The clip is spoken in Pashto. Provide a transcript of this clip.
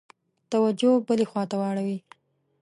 توجه بلي خواته واړوي.